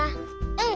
うん！